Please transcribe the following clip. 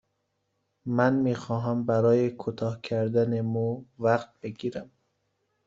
من می خواهم برای کوتاه کردن مو وقت بگیرم.